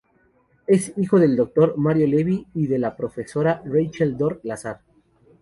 Es hijo del doctor Mario Levy y de la profesora Rachel Dor Lazar.